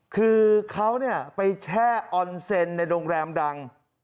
คือเขาไปแช่ออนเซ็นต์ในโรงแรมดัง